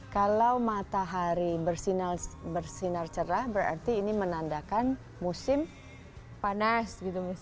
kalau matahari bersinar cerah berarti ini menandakan musim panas